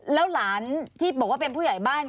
แล้วหลานที่บอกว่าเป็นผู้ใหญ่บ้าน